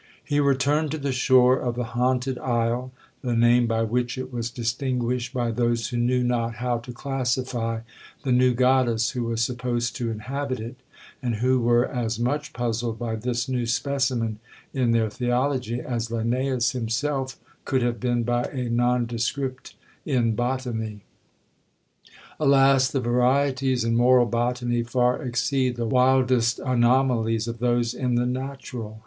—He returned to the shore of the haunted isle, the name by which it was distinguished by those who knew not how to classify the new goddess who was supposed to inhabit it, and who were as much puzzled by this new specimen in their theology, as Linnæus himself could have been by a non descript in botany. Alas! the varieties in moral botany far exceed the wildest anomalies of those in the natural.